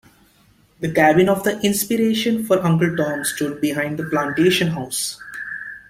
The cabin of the inspiration for Uncle Tom stood behind the plantation house.